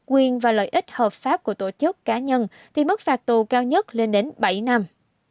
quyền và lợi ích hợp pháp của tổ chức cá nhân thì mức phạt tù cao nhất lên đến bảy năm